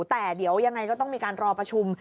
แต่เดี๋ยวยังไงก็ต้องมีการรอประชุม